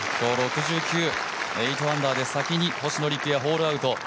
８アンダーで、先に星野陸也、ホールアウト。